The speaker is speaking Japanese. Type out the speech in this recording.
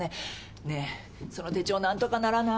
ねえその手帳何とかならない？